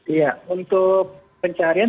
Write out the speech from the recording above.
iya untuk pencarian